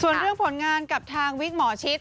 ส่วนเรื่องผลงานกับทางวิกหมอชิด